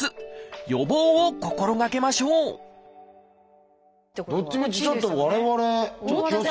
予防を心がけましょうどっちもちょっと我々気をつけないと。